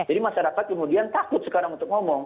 jadi masyarakat kemudian takut sekarang untuk ngomong